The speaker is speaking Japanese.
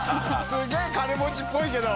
すげぇ金持ちっぽいけど。